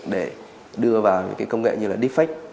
để đưa vào những cái công nghệ như là deepfake